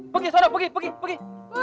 pergi soda pergi pergi